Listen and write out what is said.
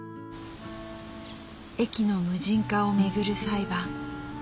駅の無人化を巡る裁判。